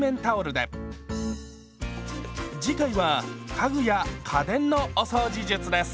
次回は家具や家電のお掃除術です。